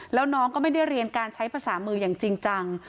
แล้วน้องก็ไม่ได้เรียนการใช้ภาษามืออย่างจริงจัง